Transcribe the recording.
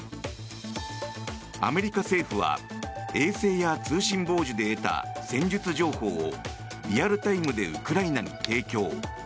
アメリカ政府は衛星や通信傍受で得た戦術情報をリアルタイムでウクライナに提供。